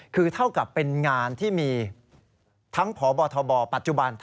คือเท่ากับเป็นงานที่มีทั้งพบทบปัจจุบัน